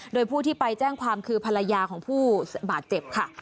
โดยผู้ที่ไปแจ้งความคือภรรยาของผู้บาดเจ็บค่ะ